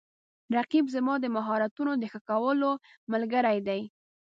رقیب زما د مهارتونو د ښه کولو ملګری دی